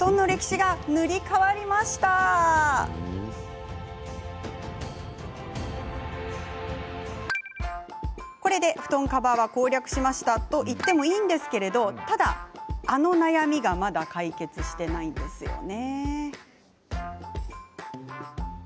はい、これで布団カバーは攻略しましたと言ってもいいんだけれどあの悩みがまだ解決していないんですよね。